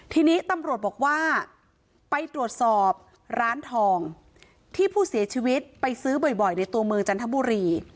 ทีนี้ตำรวจบอกว่าไปตรวจสอบร้านทองที่ผู้เสียชีวิตไปซื้อบ่อยในตัวเมืองจันทบุรี